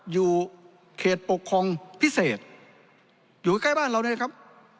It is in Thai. อยู่เขตปกครองพิเศษอยู่ใกล้บ้านเรานี่แหละครับ